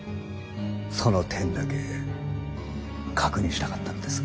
その点だけ確認したかったのです。